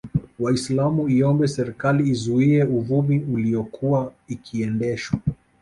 Waislamu iiombe serikali izuie uvumi uliyokuwa ikiendeshwa